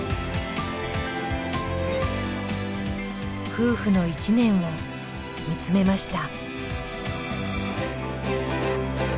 夫婦の１年を見つめました。